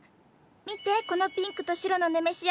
見てこのピンクと白のネメシア。